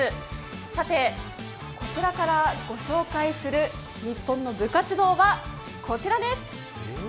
さて、こちらからご紹介するニッポンの部活動はこちらです。